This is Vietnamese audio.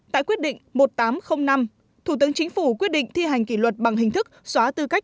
tại quyết định một nghìn tám trăm linh năm thủ tướng chính phủ quyết định thi hành kỷ luật bằng hình thức xóa tư cách